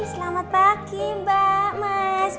selamat pagi mbak mas